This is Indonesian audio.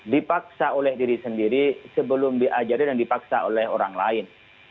dipaksa oleh diri sendiri sebelum diajari dan dipaksa oleh orang lain